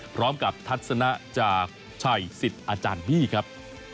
พร้อมกับทัศนะจากชัยสิทธิ์อาจารย์พี่ครับ